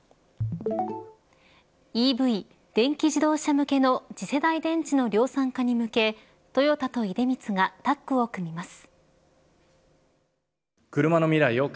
ＥＶ＝電気自動車向けの次世代電池の量産化に向けトヨタと出光がタッグを組みます。